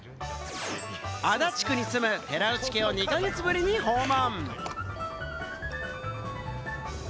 足立区に住む寺内家を２か月ぶりに訪問。